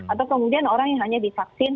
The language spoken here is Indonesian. atau kemudian orang yang hanya divaksin